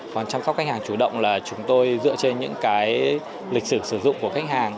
còn chăm sóc khách hàng chủ động là chúng tôi dựa trên những cái lịch sử sử dụng của khách hàng